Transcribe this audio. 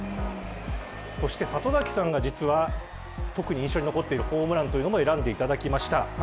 そして、里崎さんが実は印象に残っているホームランも選んでいただきました。